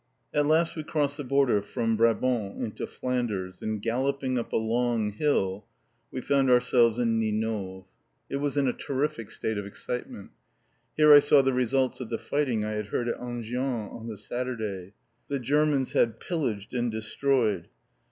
At last we crossed the border from Brabant into Flanders, and galloping up a long hill we found ourselves in Ninove. It was in a terrific state of excitement. Here we saw the results of the fighting I had heard at Enghien on the Saturday. The Germans had pillaged and destroyed.